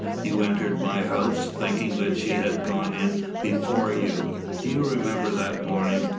You entered my house, thinking that she had gone in before you. Do you remember that morning?